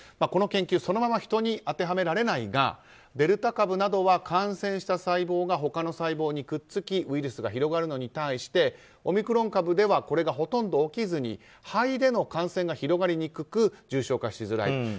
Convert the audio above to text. この研究そのまま人に当てはめられないがデルタ株などは感染した細胞が他の細胞にくっつきウイルスが広がるのに対してオミクロン株ではこれがほとんど起きずに肺での感染が広がりにくく重症化しづらい。